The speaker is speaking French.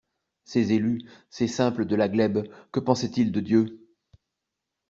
Ces élus, ces simples de la glèbe que pensaient-ils de Dieu?